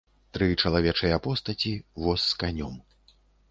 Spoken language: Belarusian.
Тры чалавечыя постаці, воз з канём.